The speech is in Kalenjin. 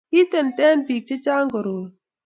kiitenten biik che chang' koroi